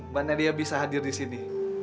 mbak nadia bisa hadir di sini